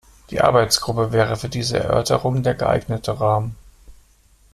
Die Arbeitsgruppe wäre für diese Erörterungen der geeignete Rahmen.